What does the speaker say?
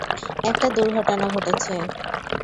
একটা দূর্ঘটনা ঘটেছে!